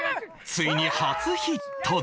ついに初ヒットで